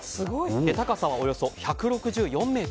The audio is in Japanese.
高さはおよそ１６４ｍ。